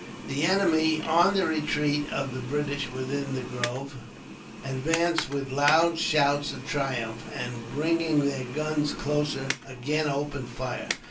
The enemy, on the retreat of the British within the grove, advanced with loud shouts of triumph; and, bringing their guns closer, again opened fire.